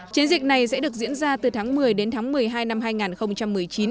chiến dịch này sẽ được diễn ra từ tháng một mươi đến tháng một mươi hai năm hai nghìn một mươi chín